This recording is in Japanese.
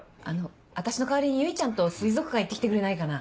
私の代わりに結ちゃんと水族館行ってきてくれないかな？